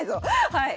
はい。